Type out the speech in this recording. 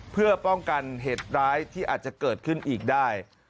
เพื่อป้องกันเหตุร้ายที่อาจจะเกิดขึ้นอีกได้